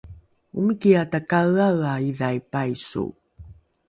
omikiae takaeaea idhai paiso